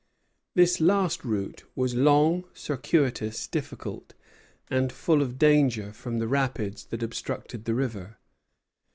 This last route was long, circuitous, difficult, and full of danger from the rapids that obstructed the river.